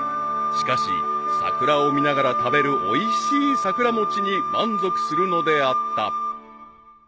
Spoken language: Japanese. ［しかし桜を見ながら食べるおいしい桜餅に満足するのであった］